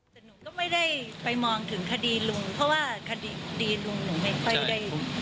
แต่หนูก็ไม่ได้ไปมองถึงคดีลุงเพราะว่าคดีลุงหนูไม่ค่อยได้